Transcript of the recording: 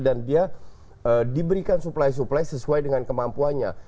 dan dia diberikan suplai suplai sesuai dengan kemampuannya